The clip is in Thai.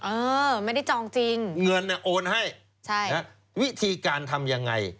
เออไม่ได้จองจริงเงินเนี่ยโอนให้ใช่ฮะวิธีการทำยังไง